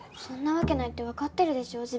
そんなわけないってわかってるでしょ